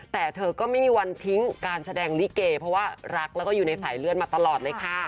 แต่เธอก็ไม่มีวันทิ้งการแสดงลิเกเพราะว่ารักแล้วก็อยู่ในสายเลือดมาตลอดเลยค่ะ